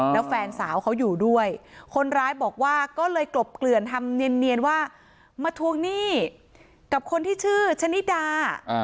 แล้วแฟนสาวเขาอยู่ด้วยคนร้ายบอกว่าก็เลยกลบเกลื่อนทำเนียนว่ามาทวงหนี้กับคนที่ชื่อชะนิดา